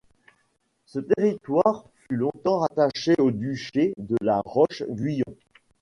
Ce territoire fut longtemps rattaché au duché de la Roche-Guyon.